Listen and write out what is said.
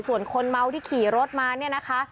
ส่วนคนเมาที่ขี่รถมาเนี่ยนะคะ